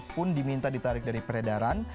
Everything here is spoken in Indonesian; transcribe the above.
pun diminta ditarik dari peredaran